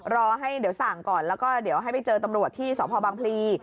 รอให้เดี๋ยวสั่งก่อนแล้วก็เดี๋ยวให้ไปเจอตำรวจที่สพบังพลี